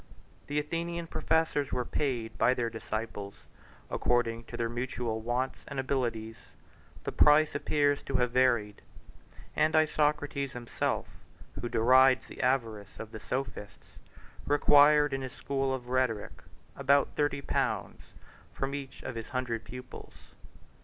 The Athenian professors were paid by their disciples: according to their mutual wants and abilities, the price appears to have varied; and Isocrates himself, who derides the avarice of the sophists, required, in his school of rhetoric, about thirty pounds from each of his hundred pupils.